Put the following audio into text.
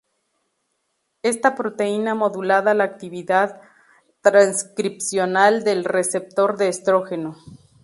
Esta proteína modula la actividad transcripcional del receptor de estrógeno.